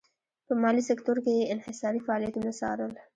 په مالي سکتور کې یې انحصاري فعالیتونه څارل.